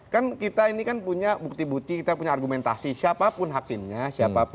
kan kita ini kan punya bukti bukti kita punya argumentasi siapapun hakimnya